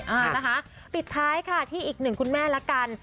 อ่านะคะปิดท้ายค่ะที่อีกหนึ่งคุณแม่ละกัน